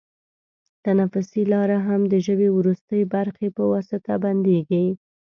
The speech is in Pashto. تنفسي لاره هم د ژبۍ وروستۍ برخې په واسطه بندېږي.